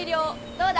どうだ？